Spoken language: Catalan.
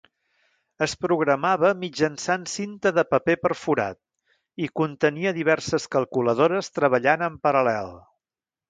Es programava mitjançant cinta de paper perforat, i contenia diverses calculadores treballant en paral·lel.